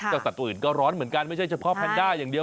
สัตว์ตัวอื่นก็ร้อนเหมือนกันไม่ใช่เฉพาะแพนด้าอย่างเดียว